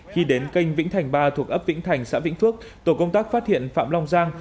khi đến canh vĩnh thành ba thuộc ấp vĩnh thành xã vĩnh phước tổ công tác phát hiện phạm long giang